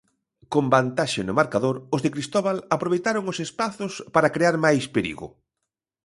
Con vantaxe no marcador, os de Cristóbal aproveitaron os espazos para crear máis perigo.